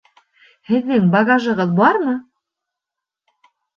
Һеҙҙең багажығыҙ бармы?